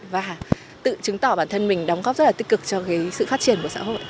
và tự chứng tỏ bản thân mình đóng góp rất là tích cực cho cái sự phát triển của xã hội